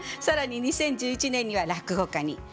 更に２０１１年には落語家に。